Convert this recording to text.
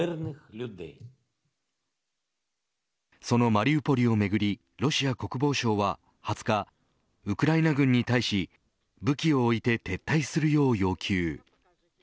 そのマリウポリをめぐりロシア国防省は２０日、ウクライナ軍に対し武器を置いて撤退するよう要求。